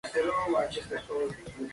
ცილინდრული კამარა ერთ საბჯენ თაღს ეყრდნობა.